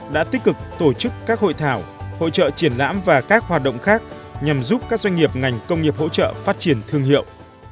đã tích cực tổ chức các hội thảo hội trợ triển lãm và các hoạt động khác nhằm giúp các doanh nghiệp ngành công nghiệp hỗ trợ phát triển thương hiệu